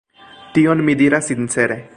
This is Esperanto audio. Tion mi diras sincere.